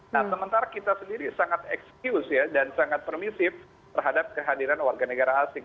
nah sementara kita sendiri sangat excuse ya dan sangat permisif terhadap kehadiran warga negara asing